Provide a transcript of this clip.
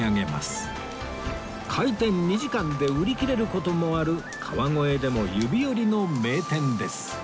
開店２時間で売り切れる事もある川越でも指折りの名店です